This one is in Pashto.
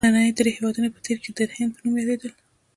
ننني درې هېوادونه په تېر کې د هند په نوم یادیدل.